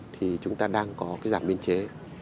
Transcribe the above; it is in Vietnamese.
thì chúng ta đang có cái giảm biên chế